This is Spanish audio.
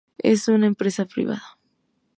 Es una empresa privada.